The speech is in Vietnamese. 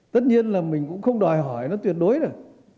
tất nhiên là mình cũng không đòi hỏi nó tuyệt đối được